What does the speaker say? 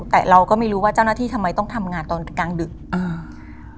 แต่เราก็ไม่รู้ว่าเจ้าหน้าที่ทำไมต้องทำงานตอนกลางดึกอ่า